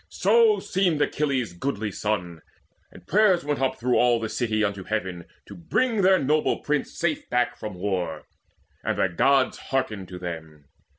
So seemed Achilles' goodly son; and prayers Went up through all the city unto Heaven To bring their noble prince safe back from war; And the Gods hearkened to them.